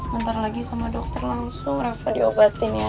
bentar lagi sama dokter langsung revo diobatin ya